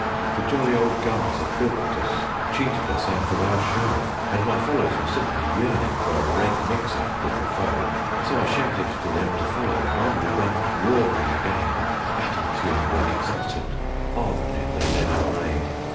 The jolly old guns had bilked us, cheated us out of our show, And my fellows were simply yearning for a red mix up with the foe. So I shouted to them to follow, and on we went roaring again, Battle tuned and exultant, on in the leaden rain.